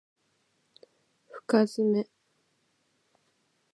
深爪